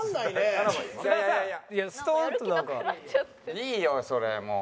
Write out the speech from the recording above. いいよそれもう。